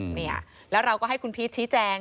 เนี่ยแล้วเราก็ให้คุณพีชชี้แจง